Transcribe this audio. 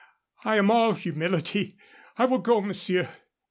I am all humility. I will go, monsieur."